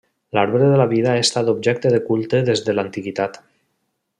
L'arbre de la vida ha estat objecte de culte des de l'antiguitat.